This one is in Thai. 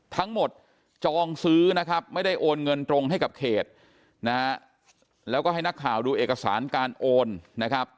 จองซื้อนะครับไม่ได้โอนเงินตรงให้กับเขตนะฮะแล้วก็ให้นักข่าวดูเอกสารการโอนนะครับ